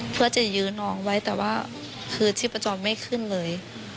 เพื่อจะยื้อน้องไว้แต่ว่าคือชีพจรไม่ขึ้นเลย